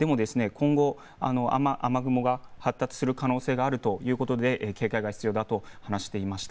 今後、雨雲が発達する可能性があるということで警戒が必要だと話していました。